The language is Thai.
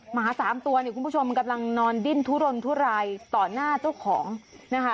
หมาสามตัวเนี่ยคุณผู้ชมกำลังนอนดิ้นทุรนทุรายต่อหน้าเจ้าของนะคะ